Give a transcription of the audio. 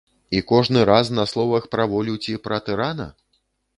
І кожны раз на словах пра волю ці пра тырана?